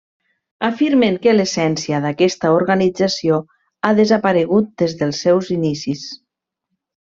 Afirmen que l'essència d'aquesta organització ha desaparegut des dels seus inicis.